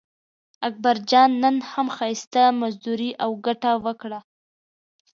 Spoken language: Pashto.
اکبرجان نن هم ښایسته مزدوري او ګټه وکړه.